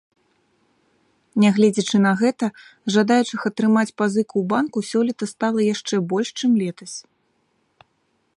Нягледзячы на гэта, жадаючых атрымаць пазыку ў банку сёлета стала яшчэ больш, чым летась.